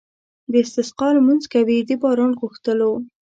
د استسقا لمونځ کوي د باران غوښتلو.